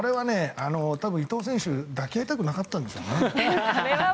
伊藤選手は抱き合いたくなかったんでしょうね。